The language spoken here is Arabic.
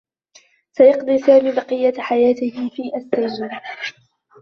سيقضي سامي بقيّة حياته في السّجن.